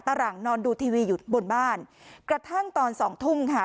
หลังนอนดูทีวีอยู่บนบ้านกระทั่งตอนสองทุ่มค่ะ